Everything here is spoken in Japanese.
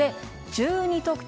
１２得点